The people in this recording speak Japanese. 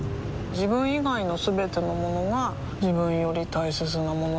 自分以外のすべてのものが自分より大切なものだと思いたい